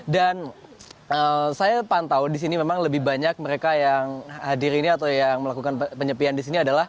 dan saya pantau di sini memang lebih banyak mereka yang hadir ini atau yang melakukan penyepian di sini